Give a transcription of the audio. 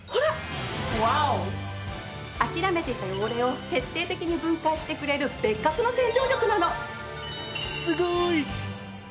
諦めていた汚れを徹底的に分解してくれる別格の洗浄力なの！